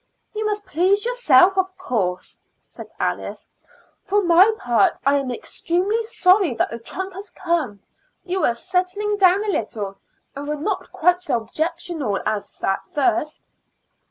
"You must please yourself, of course," said Alice. "For my part, I am extremely sorry that the trunk has come. You were settling down a little, and were not quite so objectionable as at first."